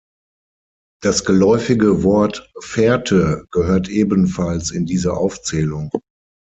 Das geläufige Wort ‹Fährte› gehört ebenfalls in diese Aufzählung.